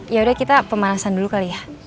yaudah kita pemanasan dulu kali ya